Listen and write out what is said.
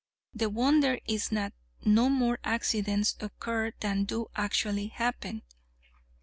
The wonder is that no more accidents occur than do actually happen.